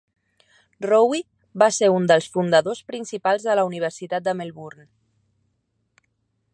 Rowe va ser un dels fundadors principals de la Universitat de Melbourne.